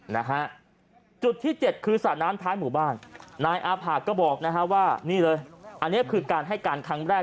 นะฮะจุดที่เจ็ดคือสระน้ำท้ายหมู่บ้านนายอาผะก็บอกนะฮะว่านี่เลยอันนี้คือการให้การครั้งแรก